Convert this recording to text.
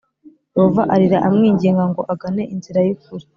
Yehova arira amwinginga ngo agane inzira y’ukuri